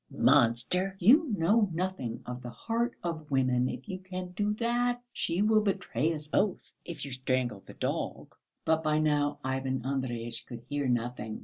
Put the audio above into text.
Monster! You know nothing of the heart of women if you can do that! She will betray us both if you strangle the dog." But by now Ivan Andreyitch could hear nothing.